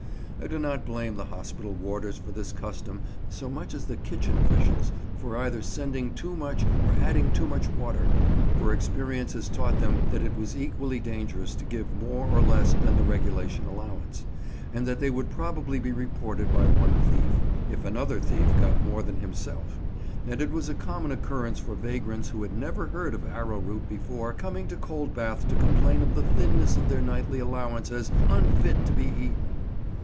I do not blame the hospital warders for this custom so much as the kitchen officials for either sending too much or adding too much water, for experience had taught them that it was equally dangerous to give more or less than the regulation allowance, and that they would probably be reported by one thief, if another thief got more than himself; and it was a common occurrence for vagrants who had never heard of arrowroot before coming to Coldbath to complain of the thinness of their nightly allowance as "unfit to be eaten."